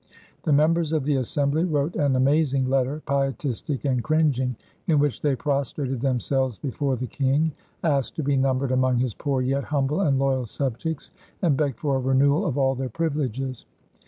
The members of the assembly wrote an amazing letter, pietistic and cringing, in which they prostrated themselves before the King, asked to be numbered among his "poore yet humble and loyal subjects," and begged for a renewal of all their privileges.